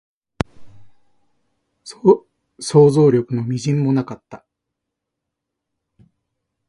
想像力の微塵もなかった